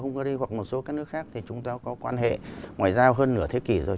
hungary hoặc một số các nước khác thì chúng ta có quan hệ ngoại giao hơn nửa thế kỷ rồi